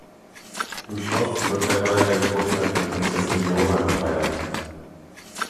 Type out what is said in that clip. Im Schloss wird derweil der Geburtstag der Prinzessin Viola gefeiert.